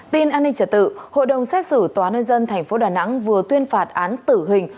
tin an ninh trả tự hội đồng xét xử tòa nơi dân thành phố đà nẵng vừa tuyên phạt án tử hình